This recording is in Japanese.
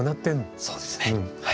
そうですねはい。